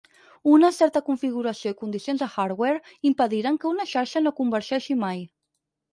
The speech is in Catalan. Una certa configuració i condicions de hardware impediran que una xarxa no convergeixi mai.